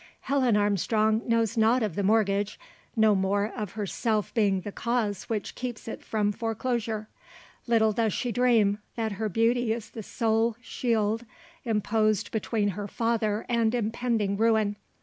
Helen Armstrong knows nought of the mortgage; no more, of herself being the cause which keeps it from foreclosure. Little does she dream, that her beauty is the sole shield imposed between her father and impending ruin.